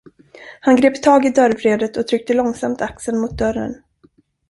Han grep tag i dörrvredet och tryckte långsamt axeln mot dörren.